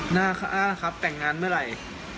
หน้าค่าครับแต่งงานเมื่อไหร่